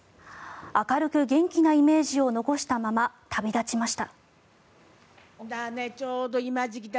明るく元気なイメージを残したまま旅立ちました。